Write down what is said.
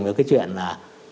với cái chuyện là